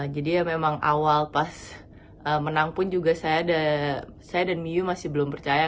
jadi ya memang awal pas menang pun saya dan miu masih belum percaya